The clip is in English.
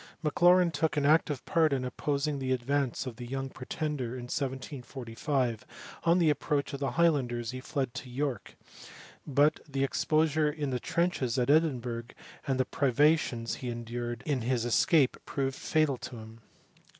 Maclaurin took an active part in opposing the advance of the Young Pretender in 1745 : on the approach of the Highlanders he fled to York, but the exposure in the trenches at Edinburgh and the privations he endured in his escape proved fatal to him.